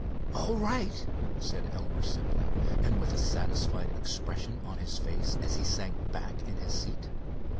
"All right," said Elmer simply, and with a satisfied expression on his face, as he sank back in his seat.